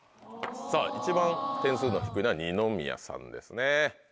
さぁ一番点数が低いのは二宮さんですね。